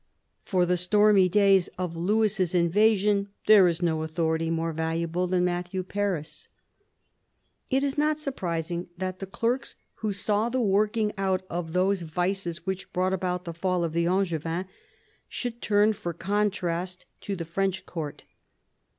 For the stormy days of Louis's invasion there is no authority more valuable than Matthew Paris. It is not surprising that the clerks who saw the working out of those vices which brought about the fall of the Angevins, should turn for contrast to the French court.